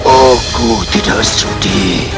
aku tidak sudi